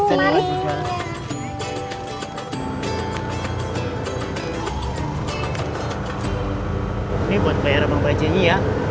ini buat bayar uang bajanya ya